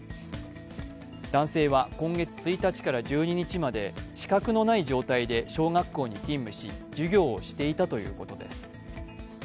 男性は今月１日から１２日まで、資格のない状態で小学校に勤務し、授業をしていたということです。